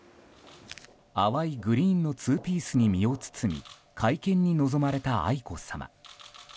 淡いグリーンのツーピースに身を包み会見に臨まれた愛子さま。